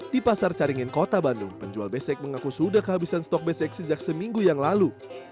di pasar caringin kota bandung penjual besek mengaku sudah kehabisan stok besek sejak seminggu yang lalu